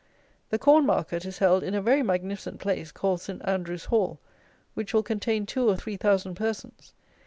The corn market is held in a very magnificent place, called Saint Andrew's Hall, which will contain two or three thousand persons.